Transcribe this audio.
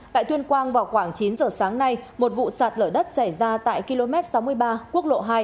tại tuyên quang vào khoảng chín giờ sáng nay một vụ sạt lở đất xảy ra tại km sáu mươi ba quốc lộ hai